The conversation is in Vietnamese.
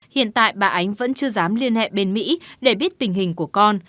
hiện tại bà ánh vẫn chưa dám liên hệ bên mỹ để biết tình hình của con